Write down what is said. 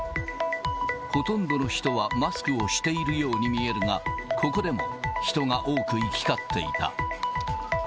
ほとんどの人はマスクをしているように見えるが、ここでも人が多く行き交っていた。